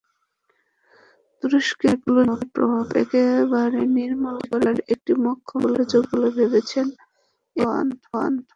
তুরস্কে গুলেনের প্রভাব একেবারে নির্মূল করার এটিই মোক্ষম সুযোগ বলে ভাবছেন এরদোয়ান।